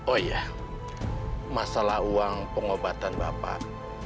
oh iya masalah uang pengobatan bapak